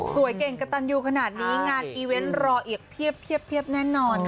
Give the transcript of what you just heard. เก่งกระตันยูขนาดนี้งานอีเวนต์รออีกเพียบแน่นอน